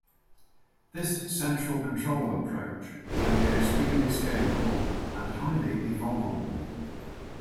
This central control approach can be extremely scalable and highly evolvable.